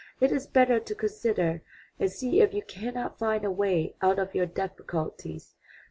"It is better to consider and see if you cannot find a way out of your difficulties.